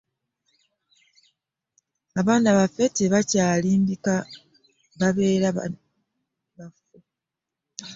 abaana baffe tebakyalimbika babeera babuufu.